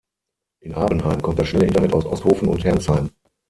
In Abenheim kommt das schnelle Internet aus Osthofen und Herrnsheim.